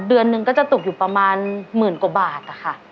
เดือนหนึ่งก็จะตกอยู่ประมาณหมื่นกว่าบาทนะคะ